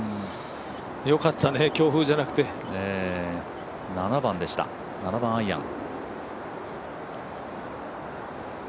よかったね、強風じゃなくて７番アイアン。